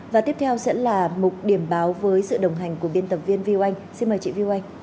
và tiếp theo sẽ là mục điểm báo với sự đồng hành của biên tập viên viu anh xin mời chị viu anh